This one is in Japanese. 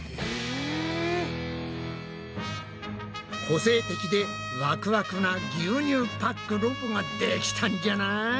個性的でワクワクな牛乳パックロボができたんじゃない！